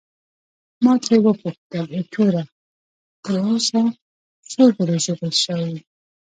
ما ترې وپوښتل: ایټوره، تر اوسه څو ځلي ژوبل شوی یې؟